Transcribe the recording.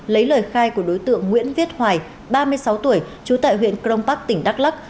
lấy lời khai của đối tượng nguyễn viết hoài ba mươi sáu tuổi trú tại huyện crong park tỉnh đắk lắc